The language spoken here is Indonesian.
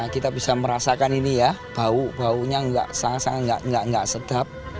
kita bisa merasakan ini ya bau baunya sangat sangat tidak sedap